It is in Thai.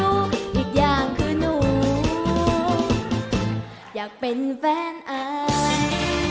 อีกฝันที่หวาดคืออยากเป็นแอร์โหลดสเตต